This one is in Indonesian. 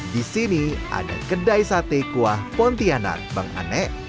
disini ada kedai sate kuah pontianak